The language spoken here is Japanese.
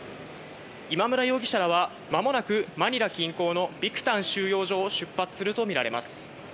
今村容疑者らは、まもなくマニラ近郊のビクタン収容所を出発するとみられます。